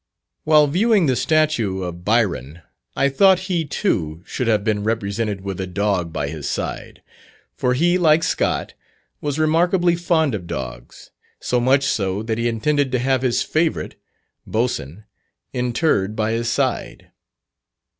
While viewing the statue of Byron, I thought he, too, should have been represented with a dog by his side, for he, like Scott, was remarkably fond of dogs, so much so that he intended to have his favourite, Boatswain, interred by his side.